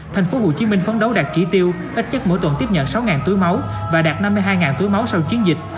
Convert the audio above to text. tp hcm phấn đấu đạt chỉ tiêu ít nhất mỗi tuần tiếp nhận sáu túi máu và đạt năm mươi hai túi máu sau chiến dịch